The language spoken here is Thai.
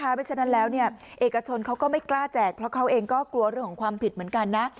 เพราะฉะนั้นแล้วเอกชนเขาก็ไม่กล้าแจกเพราะเขาเองก็กลัวเรื่องของความผิดเหมือนกันนะ